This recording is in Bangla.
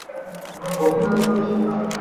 বাংলার নবাব পরিবারের সাথেও তার সুসম্পর্ক ছিল।